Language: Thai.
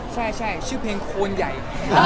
ใช่ชื่อเพลงโคนใหญ่